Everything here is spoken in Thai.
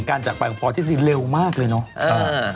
การจากปกปทธิศดีรักเร็วมากเลยเนาะ